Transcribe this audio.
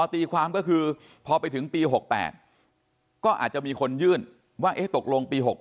ตีความก็คือพอไปถึงปี๖๘ก็อาจจะมีคนยื่นว่าตกลงปี๖๖